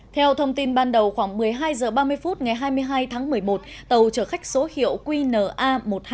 theo thông tin ban đầu khoảng một mươi hai h ba mươi phút ngày hai mươi hai tháng một mươi một tàu chở khách số hiệu qna một nghìn hai trăm bốn